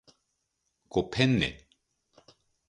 ごぺんね